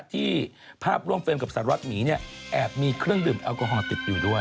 ที่ภาพร่วมเฟรมกับสารวัตรหมีเนี่ยแอบมีเครื่องดื่มแอลกอฮอลติดอยู่ด้วย